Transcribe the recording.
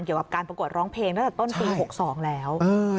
เกี่ยวกับการประกวดร้องเพลงตั้งแต่ต้นปี๖๒แล้ว